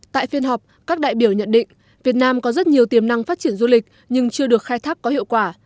tại phiên họp các đại biểu nhận định việt nam có rất nhiều tiềm năng phát triển du lịch nhưng chưa được khai thác có hiệu quả